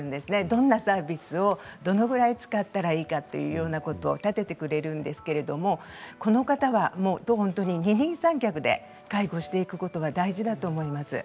どんなサービスをどのくらい使ったらいいかというようなことを立ててくれるんですけれどこの方は本当に二人三脚で介護をしていくことが大事だと思います。